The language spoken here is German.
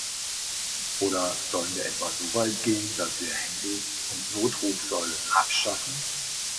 Oder sollen wir etwa so weit gehen, dass wir Handys und Notrufsäulen abschaffen?